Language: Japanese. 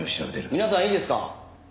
皆さんいいですか？